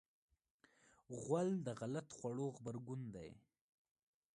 غول د غلط خوړو غبرګون دی.